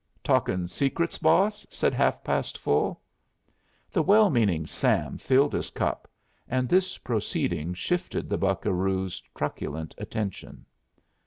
"Talkin' secrets, boss?" said Half past Full. The well meaning Sam filled his cup, and this proceeding shifted the buccaroo's truculent attention.